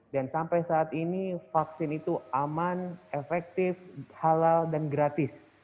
dan sampai saat ini vaksin itu aman efektif halal dan gratis